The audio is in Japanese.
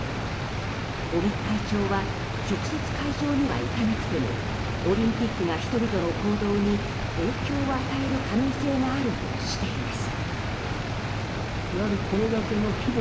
尾身会長は直接、会場には行かなくてもオリンピックが人々の行動に影響を与える可能性があるとしています。